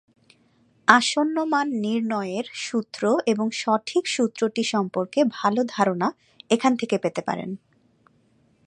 আসন্ন মান নির্ণয়ের সূত্র এবং সঠিক সূত্রটি সম্পর্কে ভাল ধারণা এখান থেকে পেতে পারেন।